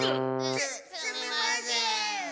すすみません！